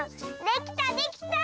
できたできた！